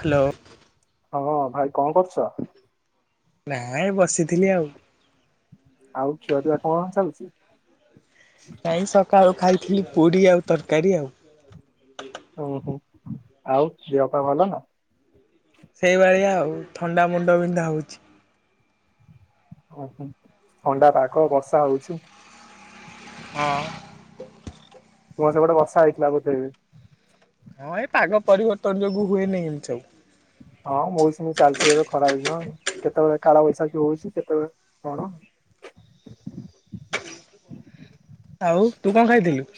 Hello. ହଁ ଭାଇ କଣ କରୁଛ? ନାଇଁ ବସିଥିଲି ଆଉ। ଆଉ ଛୁଆ ପିଲା କଣ ଚାଲୁଛି? ଏଇ ସକାଳୁ ଖାଇଥିଲି ପୁରି ଆଉ ତରକାରୀ ଆଉ। ଉଁ ହୁଁ ଆଉ ଝିଅ ପା ଭଲ ନା? ସେଇଭଳିଆ ଆଉ ଥଣ୍ଡା ମୁଣ୍ଡ ବିନ୍ଧା ହଉଛି। ଓହୋ ଥଣ୍ଡା ପାଗ ବର୍ଷା ହଉଛି। ହଁ। ତୁମ ସେପଟେ ବର୍ଷା ହେଇଥିଲା ବୋଧେ। ହଁ ଏଇ ପାଗ ପରିବର୍ତ୍ତନ ଯୋଗୁ ହୁଏନି ଏମିତି ସବୁ। ହଁ ମୌସୁମୀ ଚାଲିଛି ଏବେ ଖରାଦିନ କେତେବେଳେ କାଳବୈଶାଖୀ ହଉଛି କେତେବେଳେ କଣ? ଆଉ ତୁ କଣ ଖାଇଥିଲୁ?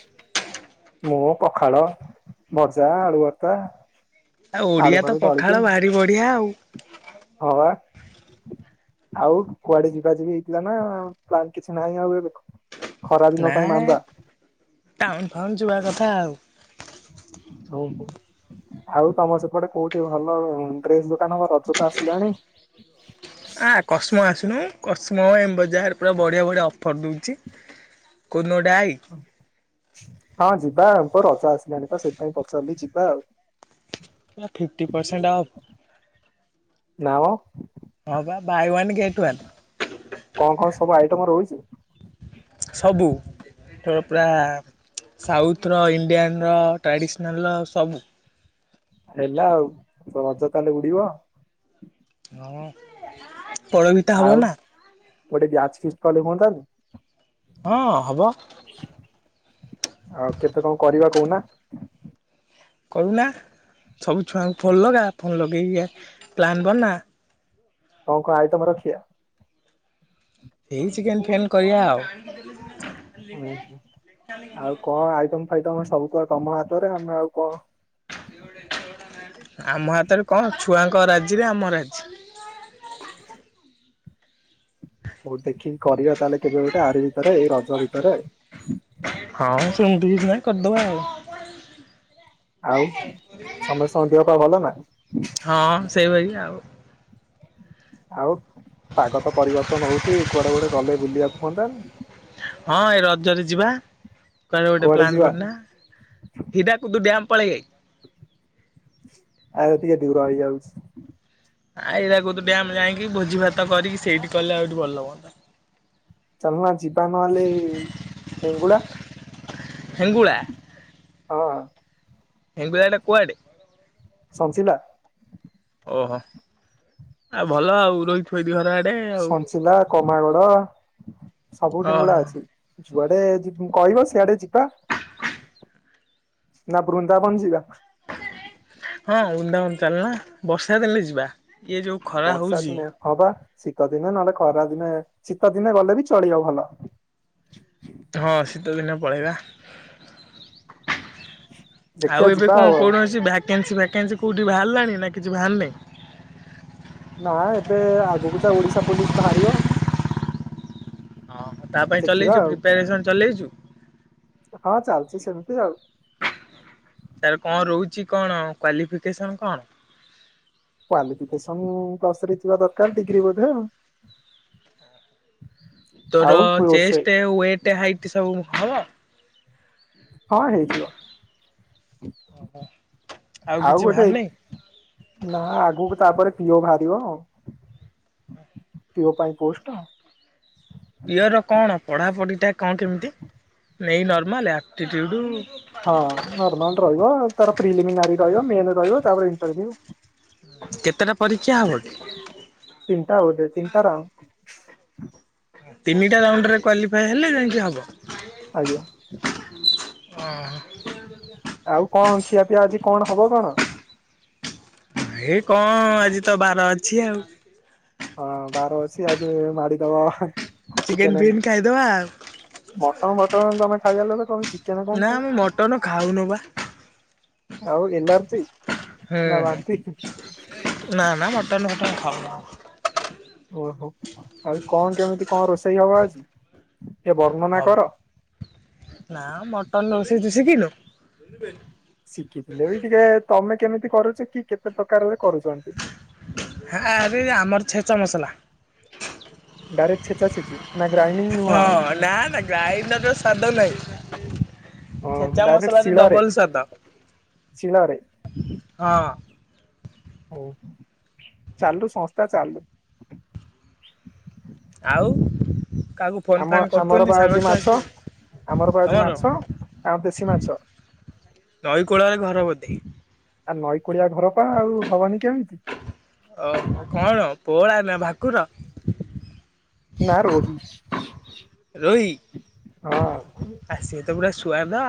ମୁଁ ପଖାଳ, ଭଜା, ଆଳୁଭର୍ତା। ଆଉ ଓଡିଆ ତ ପଖାଳ ବାହାରି ବଢିଆ ଆଉ। ହଁ ବା। ଆଉ କୁଆଡେ ଯିବା ଯିବି ହେଇଥିଲା ନା ପ୍ଲାନ କିଛି ନାହିଁ ଆଉ ଏବେକୁ? ନାଇଁ ଟାଉନ ଫାଉନ୍ ଜୁଆ କଥା ଆଉ। ହଉ ହଉ। ଆଉ ତମ ସେପଟେ କୋଉଠି ଭଲ ଡ୍ରେସ ଦୋକାନ ଘର? ରଜ ତ ଆସିଲାଣି। ଆ କସ୍ମ ଆସୁନୁ କସ୍ମ ଏମ୍ ବଜାର ପୁରା ବଢ଼ିଆ ବଢ଼ିଆ ଅଫର୍ ଦଉଛି। କୋଉ ଦିନ ଗୋଟେ ଆଇ ହଁ ଯିବା ଆଉ ତ ରଜ ଆସିଲାଣି ତ ସେଇପାଇ ପଚାରିଲି ଯିବା ଆଉ। ପୂରା ଫିଫ୍ଟି ପରସେଣ୍ଟ ଅ ଫ୍। ନାଁମ। ହଁ ବା ବାଇ ୱାନ୍ ଗେଟ ୱାନ୍। କଣ କଣ ସବୁ ଆଇଟମ ରହୁଛି? ସବୁ। ଏଥର ପୁରା ସାଉଥ୍ର ର ଇଣ୍ଡିଆନ୍ର ର ଟ୍ରାଡ଼ିସନାଲ୍ରର ସବୁ ହେଲା ଆଉ ରଜ ତା ହେଲେ ଉଡିବ। ହଁ ପଡ଼ ପିଠା ଆଉ ହବ ନା। ଗୋଟେ ବ୍ୟାଚ ଫିଷ୍ଟ କଲେ ହୁଅନ୍ତାନି। ହଁ ହବ। ଆଉ କେତେ କଣ କରିବା କହୁନା? କରୁନା ସବୁ ଛୁଆଙ୍କୁ ଫୋନ୍ ଲଗା ଫୋନ୍ ଲଗେଇକି ପ୍ଲାନ୍ ବର୍ନା। କଣ କଣ ଆଇଟମ ରଖିବା? ଏଇ ଚିକେନ୍ ଫିକେନ୍ କରିବା ଆଉ। ଉହୁଁ ଆଉ କଣ ଆଇଟମ ଫାଇଟମ ସବୁ କୁ ତମ ହାତରେ ଆମେ ଆଉ କ ଆମ ହାତରେ କଣ ଛୁଆଙ୍କ ରାଯି ରେ ଆମ ରାଯି। ହଉ ଦେଖିକି କରିବା ତାହେଲେ କେବେ ଗୋଟେ ଆରି ଭିତରେ ଏଇ ର ହଁ ମ୍ ସେମିତ୍ କିଛି ନାହିଁ କରିଦେବ ଆଉ। ଆଉ ସମୟ ସମୟ ଦେହ ପା ଭଲ ନା? ହଁ ସେଇଭଳି ଆଉ। ଆଉ ପାଗ ତ ପରିବର୍ତ୍ତନ ହଉଛି କୁଆଡେ ଗୋଟେ ଗଲେ ବୁଲିବାକୁ ହୁଅନ୍ତା ନି। ହଁ ଏ ରଜରେ ଯିବା କୁଆଡେ଼ ଗୋଟେ କୁଆଡେ ପ୍ଲାନ୍ ଯିବା କରନା। ହିଟାକୁଦୁ ଡ୍ୟାମ୍ ପଳେଇ ବାକି? ଆଉଅଧିକ ଦୂର ହେଇ ଯାଉଛି। ଆ ହୀରାକୁଦ ଡ୍ୟାମ ଯାଇକି ଭୋଜି ଭାତ କରିକି ସେଇଠି କଲେ ଆହୁରି ଭଲ ହୁଅନ୍ତା। ଚାଲନ ଯିବା ନହେଲେ ହିଙ୍ଗୁଳା। ହେଙ୍ଗୁଳା ହଁ ହେଙ୍ଗୁଳା ଟା କୁଆଡେ? ସଂଚିଲା। ଓହୋ ଆଉ ଭଲ ଆଉ ରୋହୀ ଥୋଇଦି ଘର ଏଡେ ସଞ୍ଚିଲା କମାଗଡ ସବୁ ହିଙ୍ଗୁଳା ଓହୋ ଅଛି। ଯୁଆଡେ ଯି କହିବ ସିଆଡେ ଯିବା। ନା ବୃନ୍ଦାବନ୍ ଯିବା? ହଁ ବୃନ୍ଦାବନ ଚାଲୁନ ବର୍ଷା ଦେଲେ ଯିବା। ଇଏ ଯୋଉ ଖରା ବର୍ଷା ହଉଛି ଦିନେ ହବା ଶୀତ ଦିନେ ନହେଲେ ଖରା ଦିନେ ଶୀତ ଦିନେ ଗଲେ ବି ଚଳିବ ଭଲ। ହଁ ଶୀତ ଦିନେ ପଳେଇବା। ଆଉ ଦେଖିବା ଏବେ ଯିବା କଣ କଣ ଅଛି ଭ୍ୟାକେନ୍ସି ଫ୍ୟାକେନ୍ସି କୋଉଠି ବାହାରିଲାଣି ନା କିଛି ବାହାର ନି? ନା ଏବେ ଆଗକୁ ଯା ଓଡିଶା ପୋଲିସ ବାହାରିବ। ହଁ ତା ପାଇଁ ଦେଖିବା ଚଲେଇଛୁ ଆଉ ପ୍ରିପାରେସନ୍ ଚଲେଇଛୁ। ହଁ ଚାଲଛି ସେମିତି ଆଉ। ତାର କଣ ରହୁଛି କଣ କ୍ଵାଲିଫିକେସନ କଣ? କ୍ୱଲିଫିକେସନ ପ୍ଲସରେ ଥିବା ଦରକାର ଡିଗ୍ରୀ ବୋଧେ ଆଉ। ଆଉ ତୋର ରୋଷେଇ ଚେଷ୍ଟ ୱେଟ ହାଇଟ ସବୁ ହବ। ହଁ ହେଇଥିବ। ଓହୋ ଆଉ କିଛି ବାହାରନି। ନା ଆଗକୁ ତାପରେ ପିଅ ବାହାରିବ। ପିଅ ପାଇଁ ପୋଷ୍ଟ ପିଅର କଣ ପଢ଼ାପଢିଟା କଣ କେମିତି ନେଇ ନର୍ମାଲ ଆପ୍ଟିୁଡ ହଁ ନର୍ମଲ ରହିବ ତାର ପ୍ରିଲିମ ନାରୀ ରହିବ ମେନ ରହିବ ତାପରେ ଇଣ୍ଟରଭିୟୁ। କେତେଟା ପରୀକ୍ଷା ହବ କି। ତିନିଟା ହଉ ତିନିଟା ର ତିନିଟା ରାଉଣ୍ଡରେ କ୍ୱାଲିଫଏ ହେଲେ ଯାଇକି ହବ। ଆଜ୍ଞା। ଓହୋ ଆଉ କଣ ଖିଆ ପିଆ ଆଜି କଣ ହବ କଣ? ଏଇ କଣ ଆଜି ତ ବାର ଅଛି ଆଉ। ହଁ ବାର ଅଛି ଆଜି ମାଡିଦବ। ଚିକେନ ପିକେନ୍ ଖାଇଦବା ଆଉ। ମଟଣ ବଟଣ ତମେ ଖାଇବା ଲୋକ ତମେ ଚି ନା ମୁଁ ମଟନ ଖାଉନ ବା। ଆଉ ଏଲାଜି ହୁଁ ନା ହୁଁ ବାନ୍ତି। [unintelligible] ଖାମନା [unintelligible] ଓହୋ ଆଉ କଣ କେମିତି କଣ ରୋଷେଇ ହବ ଆଜି? ଟେ ବର୍ଣ୍ଣନା ହଉ କର। ନା ମଟନ ରୋଷେଇ ତୁ ଶିଖିନୁ? ଶିଖିଥିଲେ ବି ଟିକେ ତମେ କେମିତି କରୁଛ କି କେତେ ପ୍ରକାରରେ କରୁଛନ୍ତି। ହରେ ଆମର ଛେଚା ମସଲା। ଡାଇରେକ୍ ଛେଚା ଛେଚି। ନା ଗ୍ରାଇଣ୍ଡିଙ୍ଗ ନୁହଁ ହଁ ଆଉ ନା ନା ଗାଇନ୍ଦର ସ୍ଵାଦ ନାହିଁ। ହଁ ଛେଚା ଡାଇରେକ୍ଟ ମସଲାରେ ଶିଳରେ ଡବଲ ସ୍ୟାଦ ଶିଳରେ ହଁ। ହଉ ଚାଲୁ ସଂସ୍ଥା ଚାଲୁ। ଆଉ କକୁ ଫୋନ୍ ଆମ ଫାନ୍ ଆମର କରୁଛନ୍ତି ବା ଆଜି ସାଙ୍ଗଛୁଆ ମାଛ ଆମର କିଏ ବା ଆଜି ପବନ ମାଛ ଆଉ ଦେଶୀ ମାଛ ନଈକୂଳରେ ଘର ବୋଧେ? ଆ ନଈ କଳିଆ ଘର ପା ଆଉ ଭବନି କେମିତି? ଓ କଣ ପୋଅଳା ନା ଭାକୁର? ନା ରୋହି। ରୋଇ? ହଁ। ଆଉ ସିଏ ତ ପୁରା ଶୁଆଦ।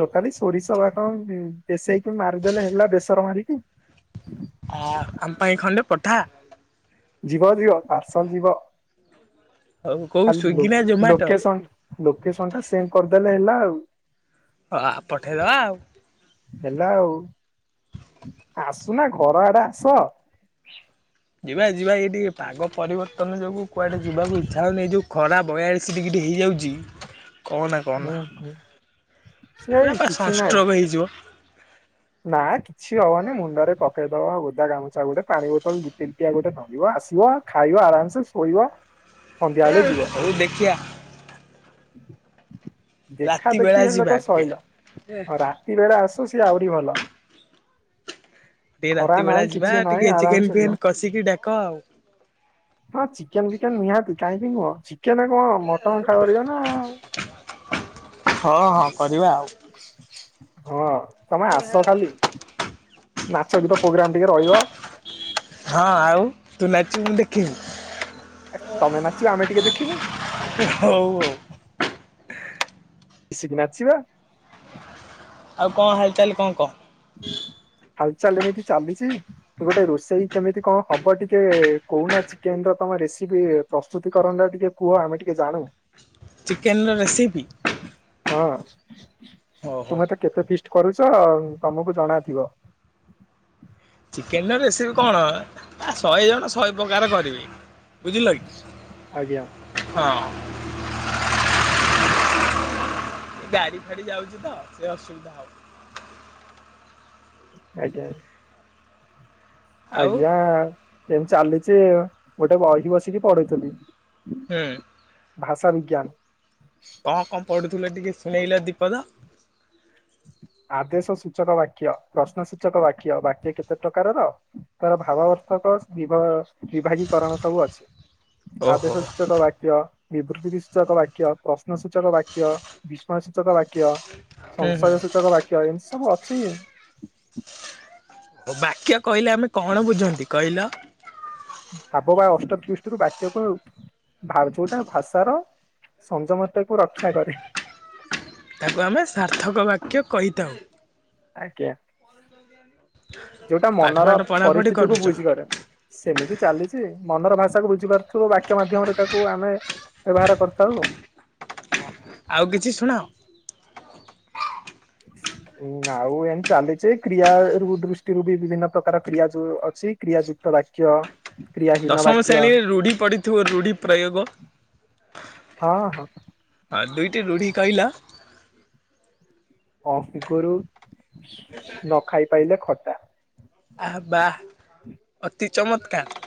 ତୋଟାଲି ସୋରିଷ ବା କଣ ବେଶେଇକି ମାରିଦେଲେ ହେଲା ବେସର ମାରିକି। ହୁଁ [inaudible] ଆ ଆମ ପାଇଁ ଖଣ୍ଡେ ପଠା। ଯିବ ଯିବ ପାର୍ସଲ ଯିବ ଆଉ କୋଉ ଖାଲି ସ୍ଵିଗି ନା ଜୋମାଟୋ ଲୋକେସନ ଲୋକେସନ ଟା ସେଣ୍ଡ କରିଦେଲେ ହେଲା ଆଉ। ହଁ ପଠେଇଦବା ଆଉ। ହେଲା ଆଉ ଆସୁନା ଘର ଆଡେ ଆସ। ଯିବା ଯିବା ଏଇଠି ପାଗ ପରିବର୍ତ୍ତନ ଯୋଗୁ କୁଆଡେ ଯିବାକୁ ଇଛା ହଉନି ଏ ଯୋଉ ଖରା ବୟାଳି ସେ ଟିକି ଟିକେ ହେଇଯାଉଛି। କହନା କହନା ହୁଁ ହୁଁ ସେ ପୁରା ପା କିଛି ନାଇଁ ସଂଷ୍ଟ୍ରୋକ ହେଇଯିବ। ନା କିଛି ହବନି, ମୁଣ୍ଡ ରେ ପକେଇଦବା ଓଦା ଗାମୁଛା ଗୋଟେ ପାଣି ବୋତଲ ଦିଲିଟିକିଆ ଗୋଟେ ଧରିବା ଆସିବ। ଖାଇବା ଆରାମସେ ଶୋଇବା। ହୁଁ, ହଉ ଦେଖିଆ। ଦେଖା ରାତି ବେଳା ଦେଖି ହେଲେ ଯିବା ତ ଟିକେ ଶଇଲା, ଆଉ ରାତି ବେଳେ ଆସୁ ସିଏ ଆହୁରି ଭଲ। ଟିକେ ଖରା ରାତି ବେଳା ନାହିଁ ଯିବା କିଛି ନାହିଁ ଟିକେ ଚିକେନ ଆରାମସେ ଯିବ ଫିକେନ କଷିକି ଡାକ ଆଉ। ହଁ, ଚିକେନ ବିକେନ ନିହାତି କାହିଁକି ନୁହଁ, ଚିକେନ କଣ ମଟନ ଖାଇପାରିବନା ହଁ, ହଁ କରିବା ଆଉ। ହଁ, ତମେ ଆସ ଖାଲି। ନାଚ ଗୀତ ପୋଗ୍ରାମ ଟିକେ ରହିବ। ହଁ ଆଉ, ତୁ ନାଚିବୁ ମୁଁ ଦେଖିବି। ଆ ତମେ ନାଚିବା ଆମେ ଟିକେ ଦେଖିବା। ହଉ ହଉ। ଇଶିକି ନାଚିବା। ଆଉ କଣ ହାଲଚାଲ କଣ କହ? ହାଲ ଚାଲ ଏମିତି ଚାଲିଚି। ଗୋଟେ ରୋଷେଇ କେମିତି କଣ ହବ ଟିକେ କହୁନା, ଚିକେନ ର ତମ ରେସିପି? ପ୍ରସ୍ତୁତି କରଣରା ଟିକେ କୁହ ଆମେ ଟିକେ ଜାଣୁ। ଚିକେନ ର ରେସିପି ହଁ, ହଉ ହଉ ତୁମେ ତ କେତେ ଫିଷ୍ଟ କରୁଚ ଆଉ। ତମକୁ ଜଣା ଥିବ। ଚିକେନର ରେସିପି କଣ ଶହେ ଜଣ ଶହେ ପ୍ରକାର କରିବେ ବୁଝିଲ କି। ଆଜ୍ଞା ହଁ ଗାଡି ଫାଡି ଯାଉଚି ତ ସେ ଅସୁବିଧା ହଉ। ଆଜ୍ଞା। ଆଉ ଆଜ୍ଞା, ଏମିତି ଚାଲିଛି ଗୋଟେ ବହି ବସିକି ପଢୁଥିଲି। ହୁଁ ଭାଷା ବିଜ୍ଞାନ। କଣ କଣ ପଢୁଥୁଲେ ଟିକେ ଶୁଣେଇଲ ଦୀପଦ? ଆଦେଶ ସୂଚକ ବାକ୍ୟ, ପ୍ରଶ୍ନ ସୂଚକ ବାକ୍ୟ, ବାକ୍ୟକେତେ ପ୍ରକାରର? ତାର ଭାବବର୍ଥକ ବିଭା ବିଭାଗୀକରଣ ସବୁ ଅଛି। ଓହୋ ଆଦେଶ ସୂଚକ ବାକ୍ୟ। ବିବୃତ୍ତି ବିଶ୍ଚକ ବାକ୍ୟ, ପ୍ରଶ୍ନସୂଚକ ବାକ୍ୟ, ବିସ୍ମୟ ସୂଚକ ବାକ୍ୟ କ୍ୟ ହୁଁ ହୁଁ ସଂଶୟ ସୂଚକ ବାକ୍ୟ ଏମିତି ସବୁ ଅଛି। ଓ ବାକ୍ୟ କହିଲେ -ଆମେ କଣ ବୁଝନ୍ତି କହିଲ? ଆବ ବା ଅଷ୍ଟ ତ୍ଵିସ୍ତୁରୁ ବାକ୍ଯକୁ ଭାବ୍‌ ଯୋଉଟା ଭାଷାର ସଂଯମତେ କୁ ରକ୍ଷା କରେ। ତାକୁ ଆମେ ସାର୍ଥକ ବାକ୍ୟ କହିଥାଉ। ଆଜ୍ଞା, ଯୋଉଟା ପାଠ ମନର ଫାଠ ପଢାପଢି ପରିସ୍ଥିତି କୁ କରୁଛ ବୁଝି କରେ। ସେମିତି ଚାଲିଛି, ମନର ଭାଷାକୁ ବୁଝିପାରୁଥିବୁ ବାକ୍ୟ ମାଧ୍ୟମରେ ତାକୁ ଆମେ ବ୍ୟବହାର କରିଥାଉ। ଆଉ କିଛି ଶୁଣାଅ? [unintelligible] ଆଉ ଏନ ଚାଲିଚି କ୍ରିୟା ରୁ ଦୃଷ୍ଟିରୁ ବି ବିଭିନ୍ନ ପ୍ରକାର କ୍ରିୟା ଯୋଉ ଅଛି। କ୍ରିୟା ଯୁକ୍ତ ବାକ୍ୟ। କ୍ରିୟାହୀନ ଦଶମ ବାକ୍ୟ ଶ୍ରେଣୀରେ ରୁଢି ପଡିଥିବ ରୁଢି ପ୍ରୟୋଗ? ହଁ ହଁ। ହଁ ଦୁଇଟି ରୁଢି କଇଲ? ଅନ୍ସୀକୁରୁ ନ ଖାଇ ପାଇଲେ ଖଟା। ଆହା ବା ଅତି ଚମତ୍କାର।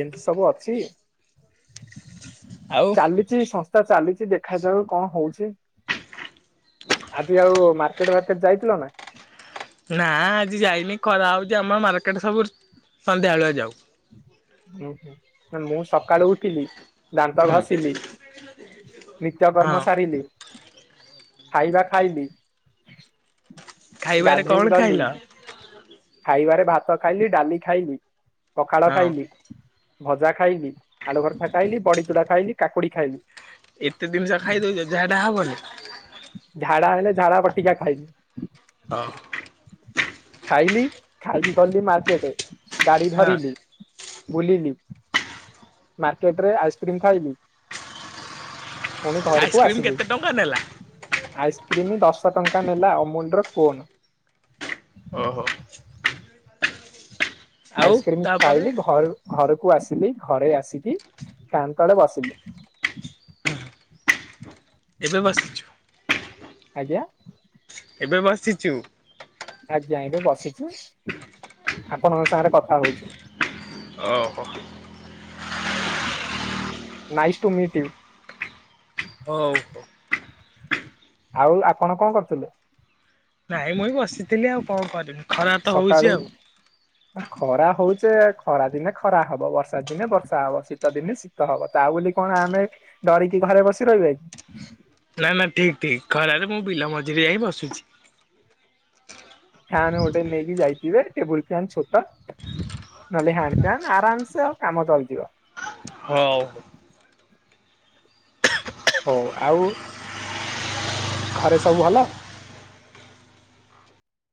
ଏମତି ସବୁ ଅଛି। ଆଉ ଚାଲି ଚି ସଂସ୍ଥା ଚାଲିଚି ଦେଖାଯାଉ କଣ ହୋଉଚି। ଆଜି ଆଉ ମାର୍କେଟ ଫାର୍କେଟ ଯାଇଥିଲ ନା? ନା ଆଜି ଯାଇନି ଖରା ହୋଉଚି। ଆମର ମାର୍କେଟ ସବୁର ସନ୍ଧ୍ୟାଓଳିଆ ଯାଉ। ହୁଁ ହୁଁ। ମାନେ ମୁଁ ସକାଳୁ ଉଠିଲି। ଦାନ୍ତ ହୁଁ ଘଷିଲି, ନିତ୍ୟ କର୍ମ ହଁ ସାରିଲି। ଖାଇବା ଖାଇଲିି। ଖାଇବାରେ କଣ ଗାଧେଇ ଗଲି, ଖାଇଲ? ଖାଇବାରେ ଭାତ ଖାଇଲି, ଡାଲି ଖାଇଲି। ପଖାଳ ହଁ ଖାଇଲି, ଭଜା ଖାଇଲି, ଆଳୁ ଭରତା ଖାଇଲି, ବଡିଚୁଡ଼ା ଖାଇଲି, କାକୁଡ଼ି ଖାଇଲି। ଏତେ ଜିନିଷ ଖାଇଦୋଉଚ ଝାଡା ହବନି। ଝାଡା ହେଲେ ଝାଡା ବଟିକା ଖାଇବି। ଅହ। ଖାଇଲି ଖାଇକି ଗଲି ମାର୍କେଟ ଗାଡି ହଁ ଧରିଲି। ବୁଲିଲି। ମାର୍କେଟ ରେ ଆଇସ୍କ୍ରିମ ଖାଇବି। ଫୁଣି ଘରକୁ ଆଇସ୍କ୍ରିମ ଆସିଲି। କେତେ ଟଙ୍କା ନେଲା ଆଇସ୍କ୍ରିମ ଦଶ ଟଙ୍କା ନେଲା। ଅମୁଲ ର କୋନ। ଓହୋ। ଆଉ ଆଇସ୍କ୍ରିମ ତାପରେ ଖାଇଲି, ଘରୁ ଘରକୁ ଆସିଲି, ଘରେ ଆସିକି ଫ୍ୟାନ୍ ତଳେ ବସିଲି। ଏବେ ବସିଛୁ। ଆଜ୍ଞା। ଏବେ ବସିଚୁ? ଆଜ୍ଞା ଏବେ ବସିଚୁ। ଆପଣଙ୍କ ସାଙ୍ଗରେ କଥା ହୋଉଚି। ଓହୋ। Nice to meet you. ଓହୋ। ଆଉ ଆପଣ କଣ କରଥିଲେ? ନାଇଁ ମୁଇ ବସିଥିଲି ଆଉ କଣ କରିବି। ଖରା ତ ହଉଛି ସକାଳୁ ଆଉ ଖରା ହୋଉଚେ। ଖରା ଦିନେ ଖରା ହବ, ବର୍ଷା ଦିନେ ବର୍ଷା, ହବ ଶୀତ ଦିନେ ଶୀ ତ ହବ ତା ବୋଲି କଣ ଆମେ ଡରିକି ଘରେ ବସି ରହିବାକି? ନା ନା ଠିକ ଠିକ ଖରାରେ ମୁଁ ବିଲ ମଝିରେ ଯାଇ ବସୁଛି। ଫ୍ୟାନ ଗୋଟେ ନେଇକି ଯାଇଥିବେ ଟେବୁଲ ଫ୍ୟନ ଛୋଟ। ନହେଲେ ହ୍ୟାଣ୍ଡ ଫ୍ୟାନ୍ ଆରାମସେ ଆଉ କାମ ଚାଳିଯିବ। ହଉ। ହଉ ଆଉ ଘରେ ସବୁ ଭଲ?